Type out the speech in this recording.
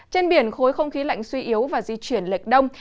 trên biển khối không khí lạnh suy yếu và di chuyển lệch đông